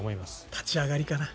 立ち上がりかな。